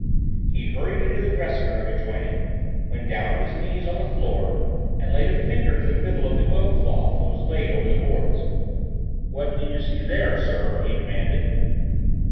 He hurried into the dressing room adjoining, went down on his knees on the floor, and laid a finger on the middle of the oil cloth that was laid over the boards. "What do you see there, sir?" he demanded.